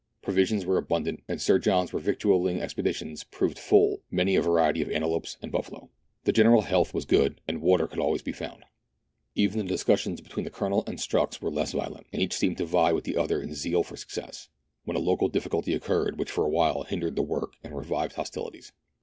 Provisions were abundant, and Sir John's revictualling expeditions provided full many a va riety of antelopes and buffaloes. The general health was THREE ENGLISHMEN AND THREE RUSSIANS. II9 good, and water could always be found. Even the discus sions between the Colonel and Strux were less violent, and each seemed to vie with the other in zeal for success, when a local difficulty occurred which for a while hindered the work and revived hostilities.